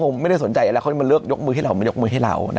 ไม่ได้สนใจอะไรเขาไม่เลือกยกมือให้เรา